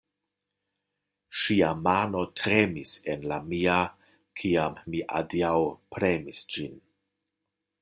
Ŝia mano tremis en la mia, kiam mi adiaŭpremis ĝin!